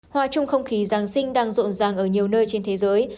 hòa chung không khí giáng sinh đang rộn ràng ở nhiều nơi trên thế giới